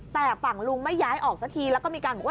แต่ฝั่งลุงไม่ย้ายออกสักทีแล้วก็มีการบอกว่า